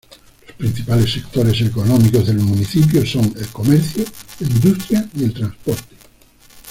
Los principales sectores económicos del municipio son el comercio, la industria y el transporte.